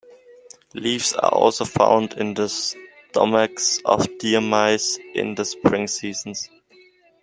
Leaves are also found in the stomachs of deer mice in the spring seasons.